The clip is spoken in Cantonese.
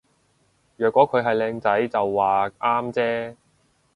若果佢係靚仔就話啱啫